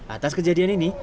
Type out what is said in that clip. atas kejadian ini